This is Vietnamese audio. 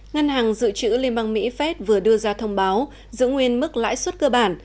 ngân hàng dự trữ liên bang mỹ phép vừa đưa ra thông báo giữ nguyên mức lãi suất cơ bản